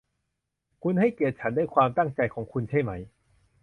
คุณให้เกียรติฉันด้วยความตั้งใจของคุณใช่มั้ย